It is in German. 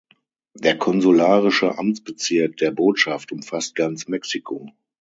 Der konsularische Amtsbezirk der Botschaft umfasst ganz Mexiko.